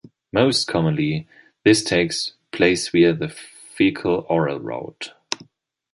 Most commonly, this takes place via the faecal-oral route.